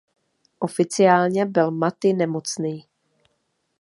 Oficiálně byl Matti nemocný.